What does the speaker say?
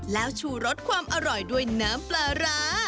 แล้วชูรสความอร่อยด้วยน้ำปลาร้า